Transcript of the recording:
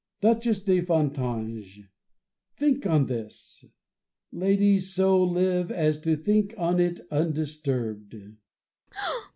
Duchess de Fontanges ! think on this ! Lady ! so live as to think on it undisturbed